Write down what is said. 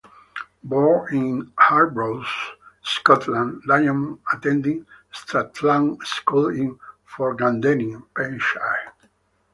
Born in Arbroath, Scotland, Diamond attended Strathallan School in Forgandenny, Perthshire.